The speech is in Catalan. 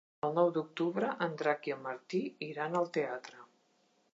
El nou d'octubre en Drac i en Martí iran al teatre.